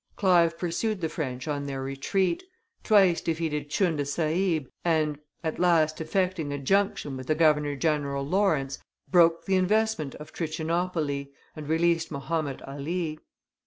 Clive pursued the French on their retreat, twice defeated Tchunda Sahib, and, at last effecting a junction with the Governor General Lawrence, broke the investment of Trichinopoli, and released Mahomet Ali.